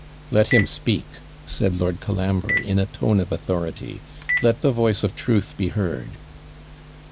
'Let him speak,' said Lord Colambre, in a tone of authority; 'let the voice of truth be heard.'